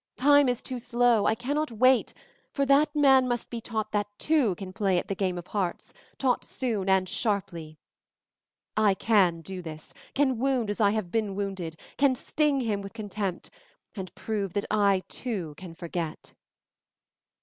Time is too slow; I cannot wait, for that man must be taught that two can play at the game of hearts, taught soon and sharply. I can do this, can wound as I have been wounded, can sting him with contempt, and prove that I too can forget."